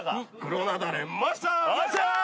よっしゃー！